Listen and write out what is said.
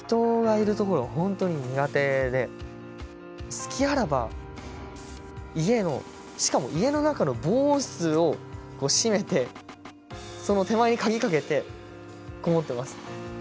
隙あらば家のしかも家の中の防音室を閉めてその手前に鍵かけてこもってます。